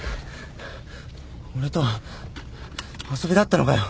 俺とは遊びだったのかよ？